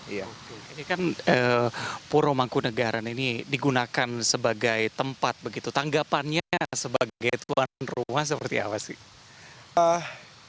iya ini kan puro mangkunagaran ini digunakan sebagai tempat begitu tanggapannya sebagai tuan rumah seperti apa sih